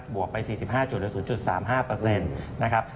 บวกไป๔๕จุดหรือ๐๓๕เปอร์เซ็นต์นะครับ